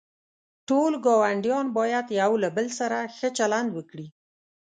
ټول گاونډیان باید یوله بل سره ښه چلند وکړي.